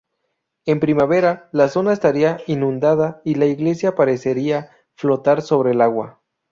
En primavera, la zona estaría inundada, y la iglesia parecería flotar sobre el agua.